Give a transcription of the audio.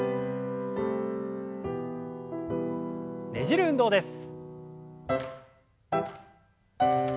ねじる運動です。